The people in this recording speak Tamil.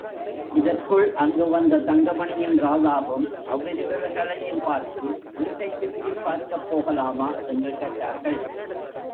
இதற்குள் அங்கு வந்த தங்கமணியும், ராதாவும் அவ்விருவர்களையும் பார்த்து, வீட்டைச் சுற்றிப் பார்க்கப் போகலாமா? என்று கேட்டார்கள்.